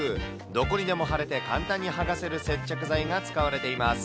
どこにでも貼れて、簡単に剥がせる接着剤が使われています。